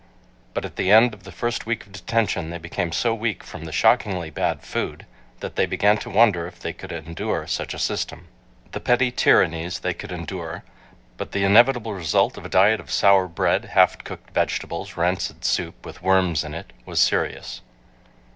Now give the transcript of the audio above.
But at the end of the first week of detention they became so weak from the shockingly bad food that they began to wonder if they could endure such a system. The petty tyrannies they could endure. But the inevitable result of a diet of sour bread, half cooked vegetables, rancid soup with worms in it, was serious.